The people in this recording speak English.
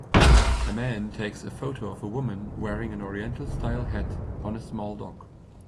A man takes a photo of a woman wearing an oriental style hat on a small dock.